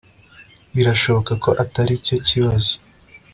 birashoboka ko atari cyo kibazo